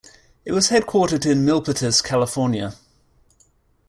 It was headquartered in Milpitas, California.